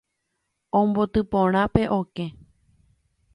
Omboty porã pe okẽ